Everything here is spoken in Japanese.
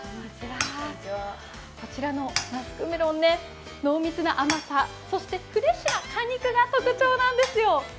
こちらのマスクメロン濃密な甘さ、そしてフレッシュな果肉が特徴なんですよ。